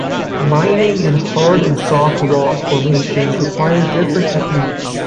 Mining in hard and soft rock formations require different techniques.